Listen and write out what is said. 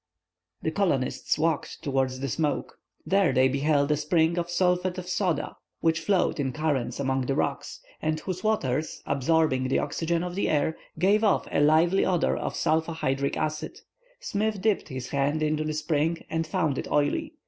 The colonists walked towards the smoke. There they beheld a spring of sulphate of soda, which flowed in currents among the rocks, and whose waters, absorbing the oxygen of the air, gave off a lively odor of sulpho hydric acid. Smith dipped his hand into the spring and found it oily.